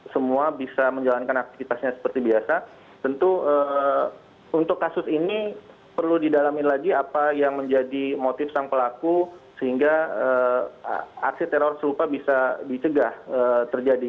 semua bisa menjalankan aktivitasnya seperti biasa